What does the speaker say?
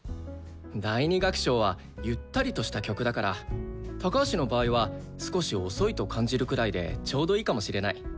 第２楽章はゆったりとした曲だから高橋の場合は少し遅いと感じるくらいでちょうどいいかもしれない。